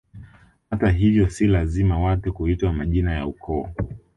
Hata hivyo si lazima watu kuitwa majina ya ukoo